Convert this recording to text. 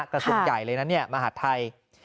กระทรวงใหญ่เลยนะเนี่ยมหาดไทย